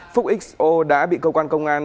phúc xo đã bị công an tp hcm